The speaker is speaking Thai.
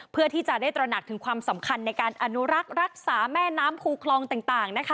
เพื่อที่จะได้ตระหนักถึงความสำคัญในการอนุรักษ์รักษาแม่น้ำภูคลองต่างนะคะ